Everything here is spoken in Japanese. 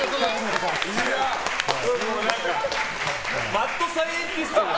マッドサイエンティストだ。